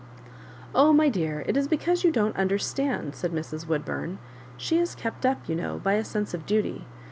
" Oh, my dear, it is because you don't under stand," said Mrs. Woodbum. "She is kept up, you know, by a sense of duty.